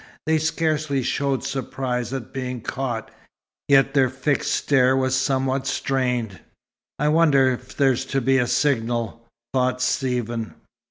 They scarcely showed surprise at being caught, yet their fixed stare was somewhat strained. "I wonder if there's to be a signal?" thought Stephen.